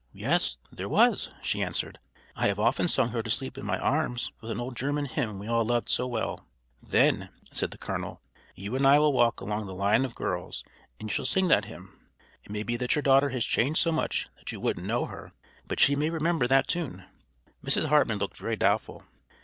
"Yes, there was!" she answered. "I have often sung her to sleep in my arms with an old German hymn we all loved so well." "Then," said the colonel, "you and I will walk along the line of girls and you shall sing that hymn. It may be that your daughter has changed so much that you wouldn't know her, but she may remember the tune." Mrs. Hartman looked very doubtful.